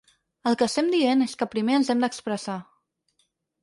El que estem dient és que primer ens hem d’expressar.